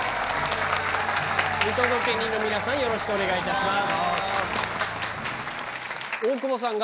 見届け人の皆さんよろしくお願いいたします。